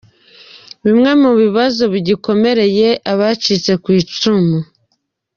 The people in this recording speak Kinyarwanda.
Bimwe mu bibazo bigikomereye abacitse ku icumu.